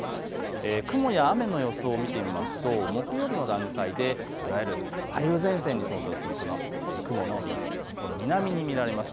雲や雨の予想を見てみると木曜日の段階で梅雨前線に相当する雲の帯が南に見られます。